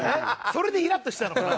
それでイラッとしたのかな？